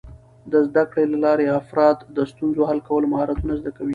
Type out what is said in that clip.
د زده کړې له لارې، افراد د ستونزو حل کولو مهارتونه زده کوي.